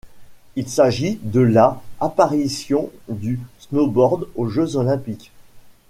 Il s'agit de la apparition du snowboard aux Jeux olympiques.